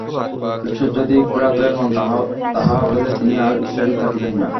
ঈশ্বর যদি জ্ঞাতই হন, তাহা হইলে তিনি আর ঈশ্বরই থাকিবেন না।